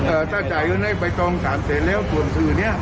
เอ่อถ้าจ่ายเอิ้นให้ไปตรงสามเศษแล้วส่วนสื่อเนี่ย